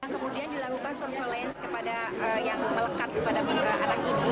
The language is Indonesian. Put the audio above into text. kemudian dilakukan surveillance yang melekat kepada tiga anak ini